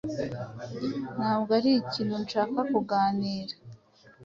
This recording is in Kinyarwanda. Ntabwo ari ikintu nshaka kuganira.